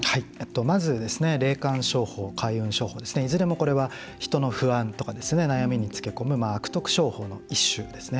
まず、霊感商法開運商法ですね、いずれも人の不安とか悩みにつけ込む悪徳商法の一種ですね。